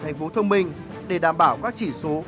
thành phố thông minh để đảm bảo các chỉ số